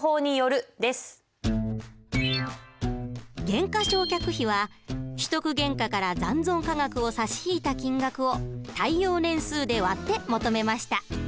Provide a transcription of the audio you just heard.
減価償却費は取得原価から残存価額を差し引いた金額を耐用年数で割って求めました。